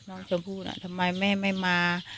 น้องชมพู่ทำไมแม่ไม่มา